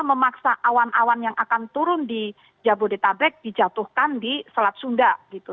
memaksa awan awan yang akan turun di jabodetabek dijatuhkan di selat sunda